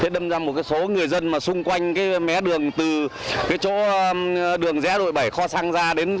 thế đâm ra một số người dân mà xung quanh cái mé đường từ cái chỗ đường rẽ đội bảy kho sang ra